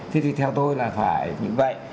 thì theo tôi là phải như vậy